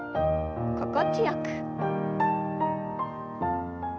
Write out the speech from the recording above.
心地よく。